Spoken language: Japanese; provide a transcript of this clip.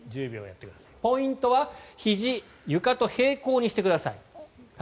ポイントはひじを床と平行にしてください。